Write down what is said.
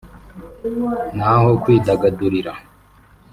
n’aho kwidagadurira